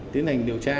tiến hành điều tra